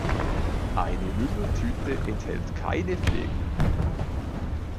Eine Lümmeltüte enthält keine Flegel.